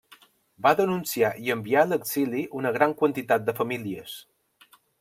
Va denunciar i enviar a l'exili una gran quantitat de famílies.